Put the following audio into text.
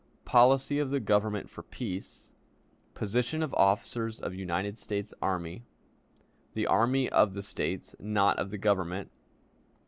Policy of the Government for Peace. Position of Officers of United States Army. The Army of the States, not of the Government.